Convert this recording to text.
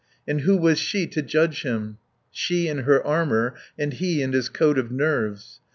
And who was she to judge him? She in her "armour" and he in his coat of nerves.